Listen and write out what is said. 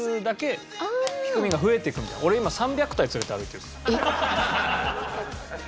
俺今３００体連れて歩いてるから。